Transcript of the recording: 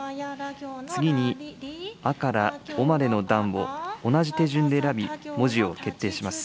次に、あからおまでの段を、同じ手順で選び、文字を決定します。